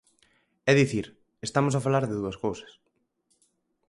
É dicir, estamos a falar de dúas cousas.